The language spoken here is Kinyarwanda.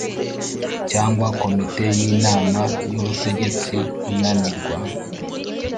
Cyangwa komite y inama y ubutegetsi inanirwa